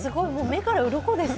目からうろこです。